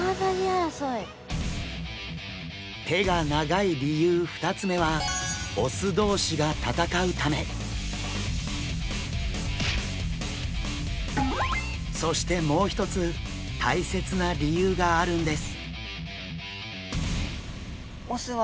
手が長い理由２つ目は雄同士がそしてもう一つ大切な理由があるんです。